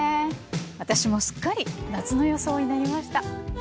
私もすっかり夏の装いになりました。